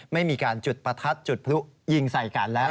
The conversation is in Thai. ไม่มีการจุดประทัดจุดพลุยิงใส่กันแล้ว